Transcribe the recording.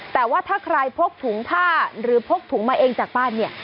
แต่ว่าถ้าใครพกถุงผ้าหรือพกถุงมาเองจากบ้านเนี่ย